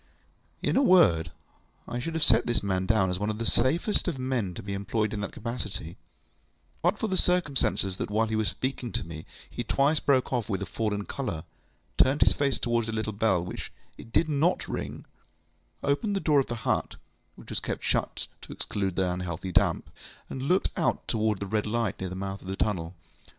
In a word, I should have set this man down as one of the safest of men to be employed in that capacity, but for the circumstance that while he was speaking to me he twice broke off with a fallen colour, turned his face towards the little bell when it did NOT ring, opened the door of the hut (which was kept shut to exclude the unhealthy damp), and looked out towards the red light near the mouth of the tunnel.